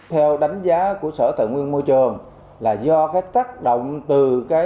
theo đánh giá của sở tài nguyên môi trường là do tác động từ